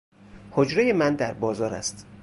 حجرۀ من در بازاراست